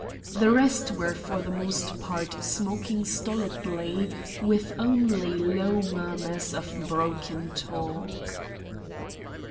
The rest were for the most part smoking stolidly with only low murmurs of broken talk.